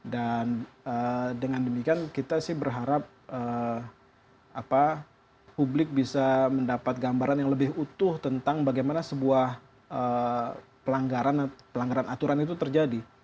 dan dengan demikian kita sih berharap publik bisa mendapat gambaran yang lebih utuh tentang bagaimana sebuah pelanggaran atau pelanggaran aturan itu terjadi